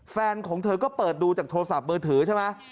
แฟนของเธอก็เปิดดูจากโทรศัพท์มือถือใช่ไหม